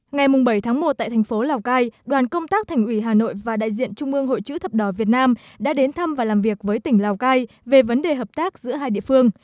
ngày bảy tháng một tại thành phố lào cai đoàn công tác thành ủy hà nội và đại diện trung ương hội chữ thập đỏ việt nam đã đến thăm và làm việc với tỉnh lào cai về vấn đề hợp tác giữa hai địa phương